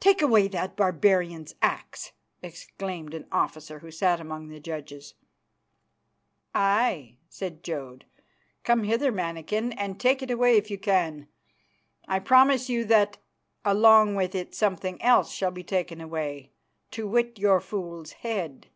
"Take away that barbarian's axe," exclaimed an officer who sat among the judges. "Aye," said Jodd, "come hither, mannikin, and take it away if you can. I promise you that along with it something else shall be taken away, to wit your fool's head.